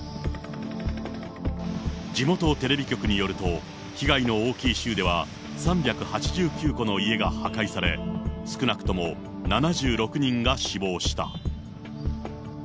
地元テレビ局によると、被害の大きい州では、３８９戸の家が破壊され、少なくとも７６人が死亡した。